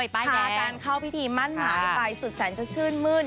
ยาการเข้าพิธีมั่นหมายไปสุดแสนจะชื่นมื้น